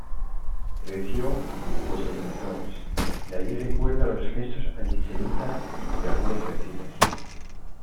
Creció, pues en el Bronx; de allí recuerda los gestos antisemitas de algunos vecinos.